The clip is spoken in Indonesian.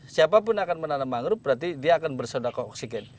siapapun akan menanam mangrove berarti dia akan bersodako oksigen